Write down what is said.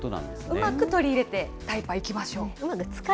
うまく取り入れて、タイパ、いきましょう。